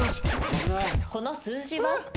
この数字は？